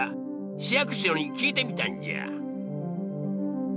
市役所に聞いてみたんじゃ。